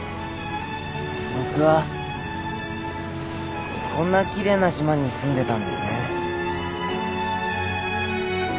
僕はこんなきれいな島に住んでたんですね。